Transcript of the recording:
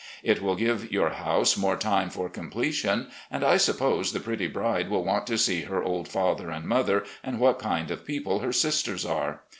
It will give your house more time for completion, and I suppose the pretty bride will want to see her old father and mother and what kind of people her sisters are.